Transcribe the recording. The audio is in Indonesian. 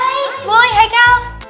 hai boy hai kel